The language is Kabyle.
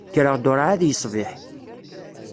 Kkreɣ-d ur εad yeṣbiḥ.